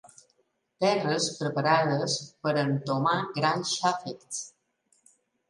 Terres preparades per a entomar grans xàfecs.